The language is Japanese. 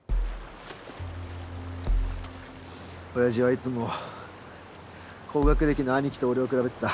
親父はいつも高学歴の兄貴と俺を比べてた。